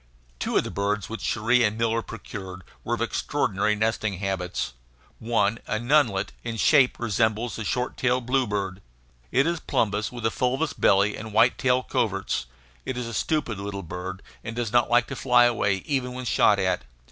Two of the birds which Cherrie and Miller procured were of extraordinary nesting habits. One, a nunlet, in shape resembles a short tailed bluebird. It is plumbeous, with a fulvous belly and white tail coverts. It is a stupid little bird, and does not like to fly away even when shot at.